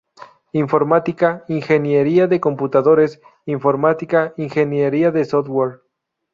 Informática: Ingeniería de Computadores; Informática; Ingeniería de Software.